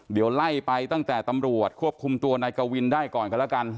เดี๋ยวไล่ไปตั้งแต่ตำรวจควบคุมตัวนายกวินได้ก่อนกันแล้วกัน